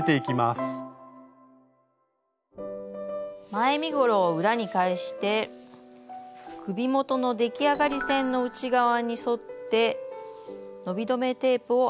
前身ごろを裏に返して首元の出来上がり線の内側に沿って伸び止めテープをアイロンで接着します。